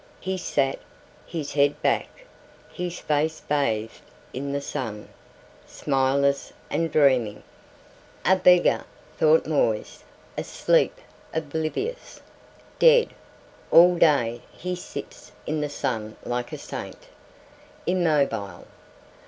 He sat, his head back, his face bathed in the sun, smileless and dreaming. "A beggar," thought Moisse, "asleep, oblivious. Dead. All day he sits in the sun like a saint, immobile.